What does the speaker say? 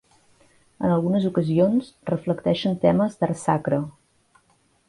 En algunes ocasions reflecteixen temes d’art sacre.